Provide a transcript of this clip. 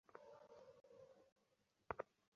বলিতে বলিতে রজনী কাঁদিয়া ফেলিল।